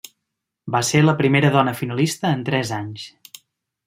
Va ser la primera dona finalista en tres anys.